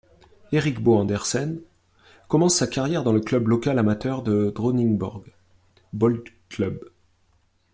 Erik Bo Andersen commence sa carrière dans le club local amateur du Dronningborg Boldklub.